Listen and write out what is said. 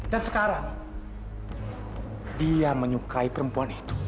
dan sekarang dia menyukai perempuan itu